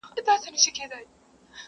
بېګانه به ورته ټول خپل او پردي سي.